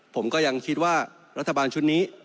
ผมก็ยังคิดว่ารัฐบาลชุดนี้